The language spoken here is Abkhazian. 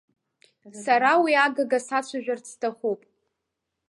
Сара уи агага сацәажәарц сҭахуп.